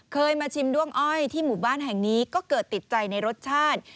เคยมาชิมด้วงอ้อยที่หมู่บ้านแห่งนี้ก็เกิดติดใจในรสชาติ